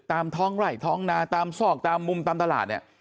ตามท้องไหล่ท้องนาตามซอกตามมุมตามตลาดเนี่ย